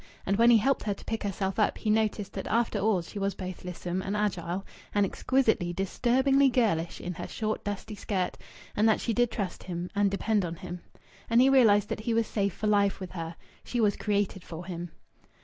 And when he helped her to pick herself up he noticed that after all she was both lissom and agile, and exquisitely, disturbingly girlish in her short dusty skirt; and that she did trust him and depend on him. And he realized that he was safe for life with her. She was created for him.